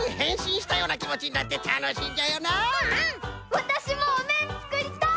わたしもおめんつくりたい！